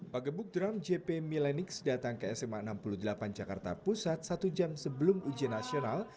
pak gebuk drum jp millenix datang ke sma enam puluh delapan jakarta pusat satu jam sebelum ujian nasional